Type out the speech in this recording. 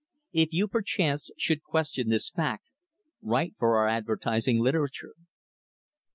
If you, perchance should question this fact write for our advertising literature.